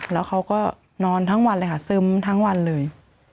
แล้วเขาก็นอนทั้งวันเลยค่ะซึมทั้งวันเลย